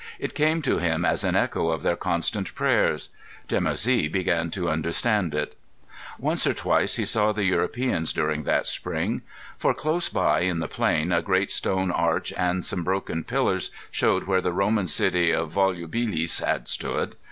It came to him as an echo of their constant prayers. Dimoussi began to understand it. Once or twice he saw the Europeans during that spring. For close by in the plain a great stone arch and some broken pillars showed where the Roman city of Volubilis had stood.